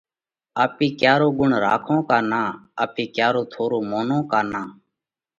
آپي ڪيا رو ڳڻ راکونه ڪا نان؟ آپي ڪيا رو ٿورو مونونه ڪا نان؟